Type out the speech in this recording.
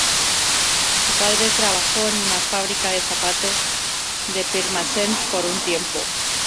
Su padre trabajó en una fábrica de zapatos de Pirmasens por un tiempo.